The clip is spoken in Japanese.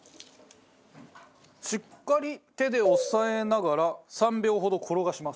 しっかり手で押さえながら３秒ほど転がします。